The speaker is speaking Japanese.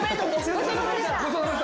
ごちそうさまでした。